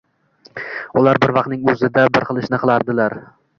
ular bir vaqtning o‘zida bir xil ishni qiladilar.